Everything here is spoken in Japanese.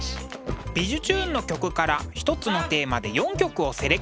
「びじゅチューン！」の曲から一つのテーマで４曲をセレクト。